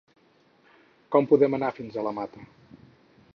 Com podem anar fins a la Mata?